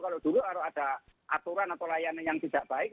kalau dulu harus ada aturan atau layanan yang tidak baik